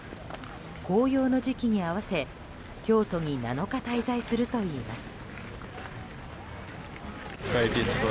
紅葉の時期に合わせ京都に７日滞在するといいます。